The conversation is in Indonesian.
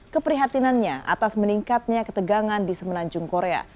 keprihatinannya atas meningkatnya ketegangan di semenanjung korea